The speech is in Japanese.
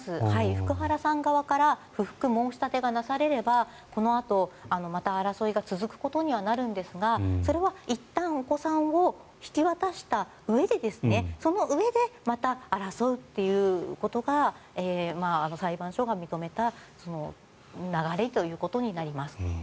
福原さん側から不服申し立てがなされればこのあと、また争いが続くことにはなるんですがそれはいったんお子さんを引き渡したうえでそのうえでまた争うということが裁判所が認めた流れということになります。